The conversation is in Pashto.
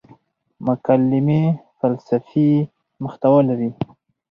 مکالمې فلسفي محتوا لري.